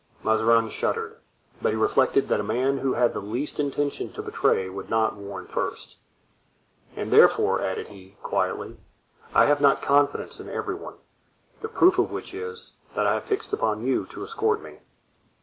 Mazarin shuddered, but he reflected that a man who had the least intention to betray would not warn first. "And therefore," added he, quietly, "I have not confidence in every one; the proof of which is, that I have fixed upon you to escort me."